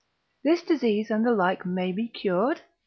this disease and the like may be cured?